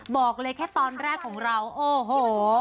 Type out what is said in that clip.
บอกเลยแค่ตอนแรกของเราโอ้โห